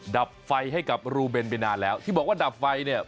ดับไฟให้กับรูเบนไปนานแล้วที่บอกว่าดับไฟเนี่ย